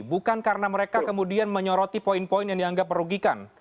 bukan karena mereka kemudian menyoroti poin poin yang dianggap merugikan